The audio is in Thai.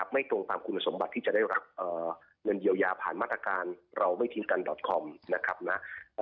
ไม่ตรงตามคุณสมบัติที่จะได้รับเงินเยียวยาผ่านมาตรการเราไม่ทิ้งกันดอตคอมนะครับนะ